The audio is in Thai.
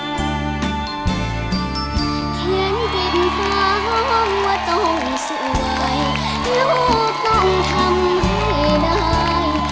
เขียนดินฟ้าห้องว่าต้องสวยลูกต้องทำให้ได้